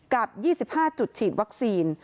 กับ๒๕จุดฉีดวัคซีน